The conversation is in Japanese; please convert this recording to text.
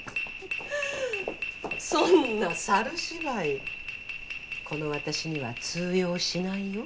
そんな猿芝居この私には通用しないよ。